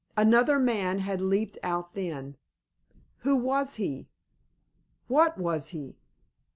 Another man had leaped out then. Who was he? What was he?